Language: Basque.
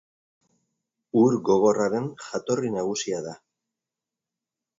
Ur gogorraren jatorri nagusia da.